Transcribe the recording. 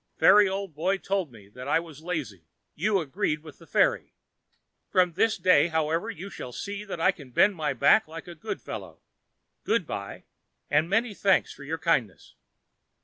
Fairy Old Boy told me that I was lazy. You agree with the fairy. From this day, however, you shall see that I can bend my back like a good fellow. Good bye, and, many thanks for your kindness."